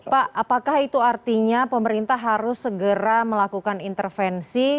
pak apakah itu artinya pemerintah harus segera melakukan intervensi